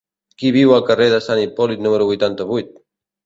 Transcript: Qui viu al carrer de Sant Hipòlit número vuitanta-vuit?